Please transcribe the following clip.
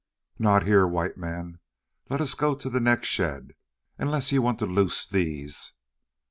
"Not here, White Man; let us go to the next shed, unless you want to loose these."